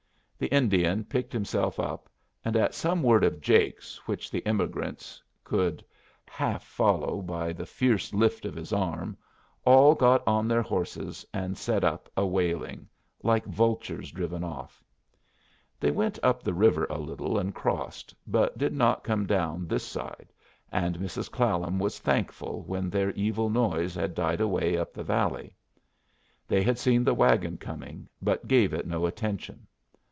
The Indian picked himself up, and at some word of Jake's which the emigrants could half follow by the fierce lift of his arm, all got on their horses and set up a wailing, like vultures driven off. They went up the river a little and crossed, but did not come down this side, and Mrs. Clallam was thankful when their evil noise had died away up the valley. They had seen the wagon coming, but gave it no attention.